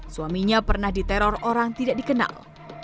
suaminya pernah diteror orang tidak dikenal